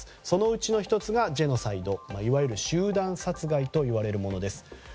そのうちの１つがジェノサイドいわゆる集団殺害といわれるものです。